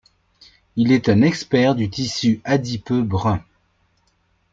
Il est un expert du tissu adipeux brun.